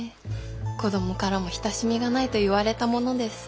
子どもからも親しみがないと言われたものです。